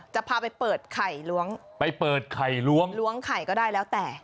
จะพาไปเปิดไข่ล้วงไปเปิดไข่ล้วงล้วงไข่ก็ได้แล้วแต่